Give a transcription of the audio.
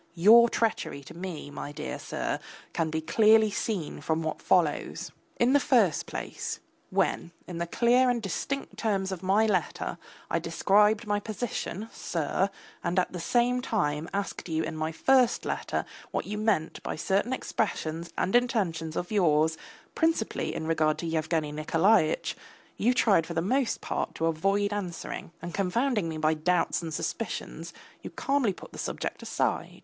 Your treachery to me, my dear sir, can be clearly seen from what follows. In the first place, when, in the clear and distinct terms of my letter, I described my position, sir, and at the same time asked you in my first letter what you meant by certain expressions and intentions of yours, principally in regard to Yevgeny Nikolaitch, you tried for the most part to avoid answering, and confounding me by doubts and suspicions, you calmly put the subject aside.